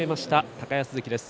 高安関です。